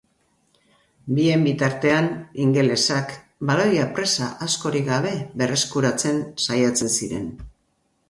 Bien bitartean, ingelesak baloia presa askorik gabe berreskuratzen saiatzen ziren.